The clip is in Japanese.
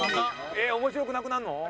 えっ面白くなくなるの？